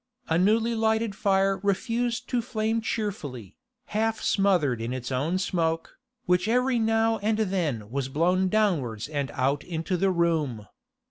A newly lighted fire refused to flame cheerfully, half smothered in its own smoke, which every now and then was blown downwards and out into the room.